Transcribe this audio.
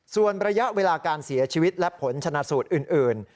ส่วนระยะเวลาการเสียชีวิตและผลชนะสูตรอื่น